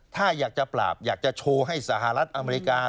ถ้าอยากจะปราบอยากจะโชว์ให้สหรัฐอเมริกา